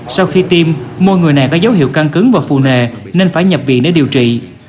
sau khi tiêm một người này có dấu hiệu căn cứng và phù nề nên phải nhập viện để điều trị